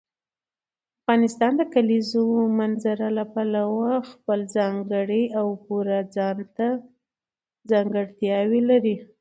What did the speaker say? افغانستان د کلیزو منظره له پلوه خپله ځانګړې او پوره ځانته ځانګړتیاوې لري.